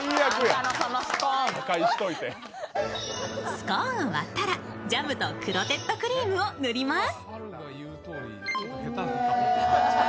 スコーンを割ったらジャムとクロテッドクリームをぬります。